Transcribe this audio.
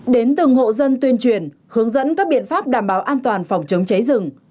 đến từng hộ dân tuyên truyền hướng dẫn các biện pháp đảm bảo an toàn phòng chống cháy rừng